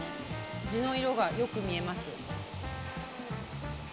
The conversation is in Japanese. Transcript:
地の色がよく見えます。